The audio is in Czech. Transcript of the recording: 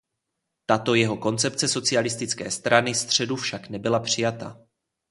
Tato jeho koncepce socialistické strany středu však nebyla přijata.